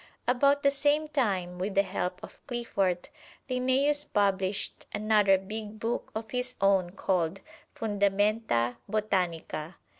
About the same time, with the help of Cliffort, Linnæus published another big book of his own called, "Fundamenta Botanica."